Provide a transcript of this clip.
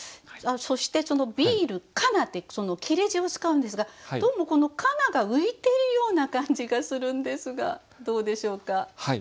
そしてその「ビールかな」って切れ字を使うんですがどうもこの「かな」が浮いているような感じがするんですがどうでしょうか？